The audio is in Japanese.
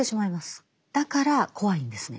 だから怖いんですね。